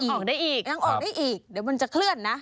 ออกได้อีกยังออกได้อีกเดี๋ยวมันจะเคลื่อนนะ